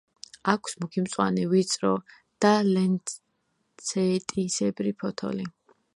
აქვს მუქი მწვანე, ვიწრო და ლანცეტისებრი ფოთოლი.